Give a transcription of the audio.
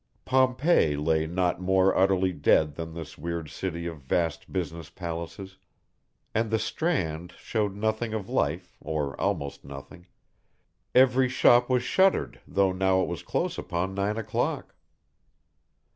Pompeii lay not more utterly dead than this weird city of vast business palaces, and the Strand shewed nothing of life or almost nothing, every shop was shuttered though now it was close upon nine o'clock.